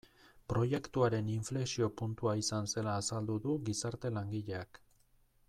Proiektuaren inflexio puntua izan zela azaldu du gizarte langileak.